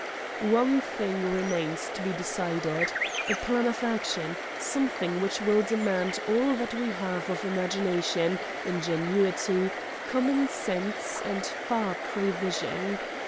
"One thing remains to be decided: a plan of action, something which will demand all that we have of imagination, ingenuity, common sense, and far prevision.